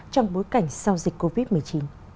trong bối cảnh sau dịch covid một mươi chín